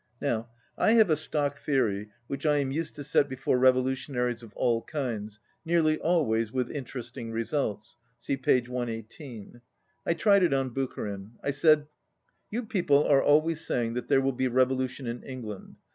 Now, I have a stock theory which I am used to set before revolutionaries of all kinds, nearly al ways with interesting results. (See p. 118.) I tried it on Bucharin. I said :— "You people are always saying that there will be revolution in England.